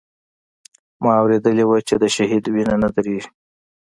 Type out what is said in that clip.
ما اورېدلي و چې د شهيد وينه نه درېږي.